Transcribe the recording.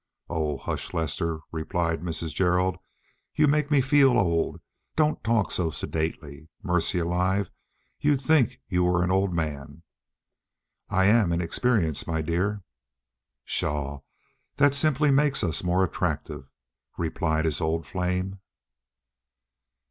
"Oh, hush, Lester," replied Mrs. Gerald. "You make me feel old. Don't talk so sedately. Mercy alive, you'd think you were an old man!" "I am in experience, my dear." "Pshaw, that simply makes us more attractive," replied his old flame.